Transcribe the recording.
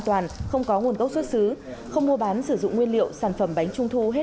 toàn không có nguồn gốc xuất xứ không mua bán sử dụng nguyên liệu sản phẩm bánh trung thu hết